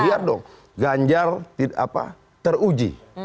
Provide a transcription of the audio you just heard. biar dong ganjar teruji